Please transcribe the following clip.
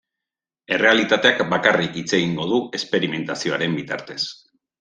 Errealitateak bakarrik hitz egingo du esperimentazioaren bitartez.